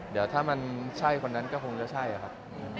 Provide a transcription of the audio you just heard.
เดี๋ยวถ้ามันใช่คนนั้นก็คงจะใช่ครับ